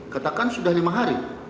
katakan sudah lima hari